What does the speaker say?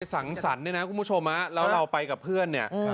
สังสรรค์เนี่ยนะคุณผู้ชมแล้วเราไปกับเพื่อนเนี่ย